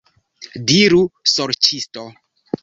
Diru, sorĉisto!